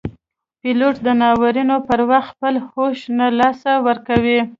پیلوټ د ناورین پر وخت خپل هوش نه له لاسه ورکوي.